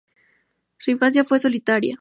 Su infancia fue solitaria.